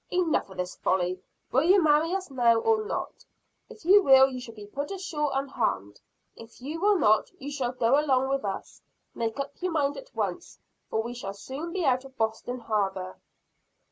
"Enough of this folly. Will you marry us now or not? If you will, you shall be put ashore unharmed. If you will not, you shall go along with us. Make up your mind at once, for we shall soon be out of Boston harbor."